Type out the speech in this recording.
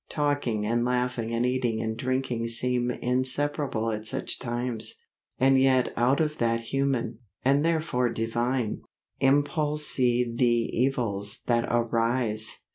Talking and laughing and eating and drinking seem inseparable at such times. And yet out of that human, and therefore divine, impulse see the evils that arise!